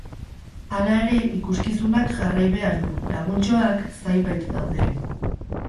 Hala ere ikuskizunak jarrai behar du, laguntxoak zai bait daude.